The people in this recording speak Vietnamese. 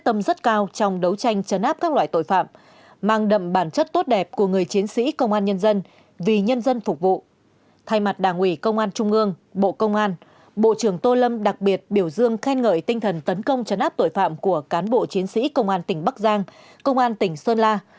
thay mặt đảng ủy công an trung ương bộ công an bộ trưởng tô lâm đặc biệt biểu dương khen ngợi tinh thần tấn công chấn áp tội phạm của cán bộ chiến sĩ công an tỉnh bắc giang công an tỉnh sơn la